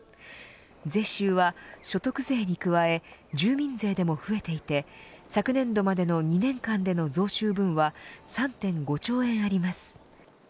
税収は所得税に加え住民税でも増えていて昨年度までの２年間での増収分は３．５兆円あります。